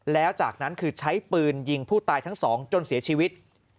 แล้วจากนั้นคือใช้ปืนยิงผู้ตายทั้งสองจนเสียชีวิต